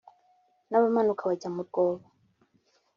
n abamanuka bajya mu rwobo